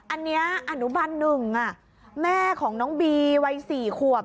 อันนี้อนุบัน๑แม่ของน้องบีวัย๔ขวบ